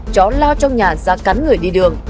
chó lao trong nhà ra cắn người đi đường